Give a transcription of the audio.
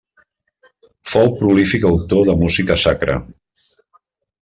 Fou prolífic autor de música sacra.